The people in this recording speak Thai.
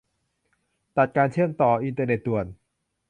ตัดการเชื่อมต่ออินเทอร์เน็ตด่วน